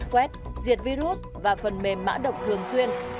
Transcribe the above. quét diệt virus và phần mềm mã độc thường xuyên